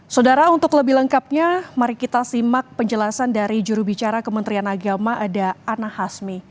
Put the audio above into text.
saudara untuk lebih lengkapnya mari kita simak penjelasan dari jurubicara kementerian agama ada ana hasmi